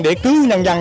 để cứu nhân dân